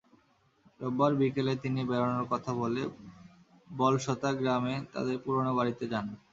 রোববার বিকেলে তিনি বেড়ানোর কথা বলে বলসতা গ্রামে তাঁদের পুরোনো বাড়িতে যান।